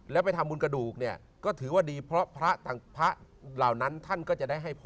แล้วไปทำบุญกระดูกเนี่ยก็ถือว่าดีเพราะพระเหล่านั้นท่านก็จะได้ให้พ่อ